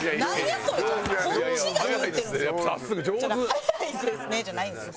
「早いですね」じゃないんですよ。